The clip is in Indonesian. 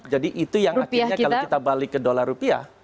jadi itu yang akhirnya kalau kita balik ke dollar rupiah